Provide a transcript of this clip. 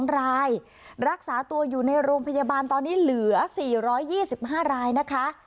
๒รายรักษาตัวอยู่ในโรงพยาบาลตอนนี้เหลือ๔๒๕รายนะคะ